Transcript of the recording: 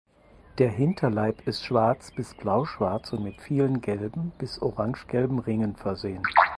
Der Hinterleib ist schwarz bis blauschwarz und mit vielen gelben bis orangegelben Ringen versehen.